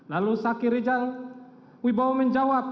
lalu saki rijal wibowo menjawab